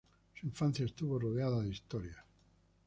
Su infancia estuvo rodeada de historias.